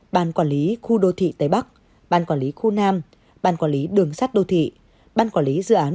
ban quản lý khu đô thị tây bắc ban quản lý khu nam ban quản lý đường sắt đô thị ban quản lý dự án